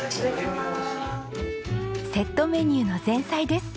セットメニューの前菜です。